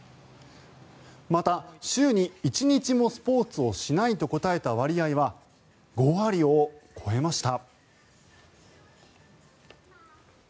また、週に１日もスポーツをしないと答えた割合は５割を超えました。